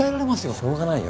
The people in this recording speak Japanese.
しょうがないよ